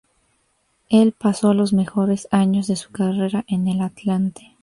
Él pasó los mejores años de su carrera en el Atlante.